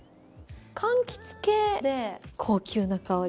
かんきつ系で高級な香り。